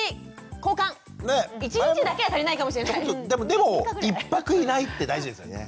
でも１泊いないって大事ですよね。